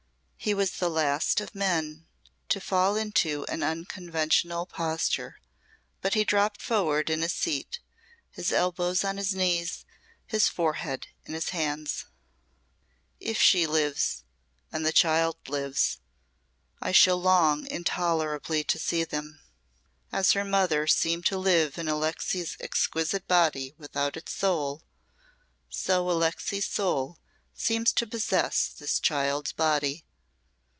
He was the last of men to fall into an unconventional posture, but he dropped forward in his seat, his elbows on his knees, his forehead in his hands. "If she lives and the child lives I shall long intolerably to see them. As her mother seemed to live in Alixe's exquisite body without its soul, so Alixe's soul seems to possess this child's body.